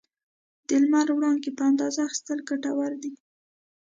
د لمر وړانګې په اندازه اخیستل ګټور دي.